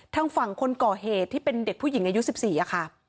ทางฝั่งคนก่อเหตุที่เป็นเด็กผู้หญิงอายุ๑๔ค่ะ